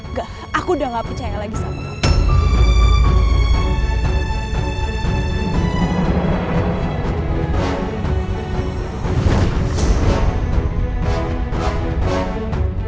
enggak aku udah gak percaya lagi sama